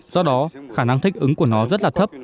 do đó khả năng thích ứng của nó rất là thấp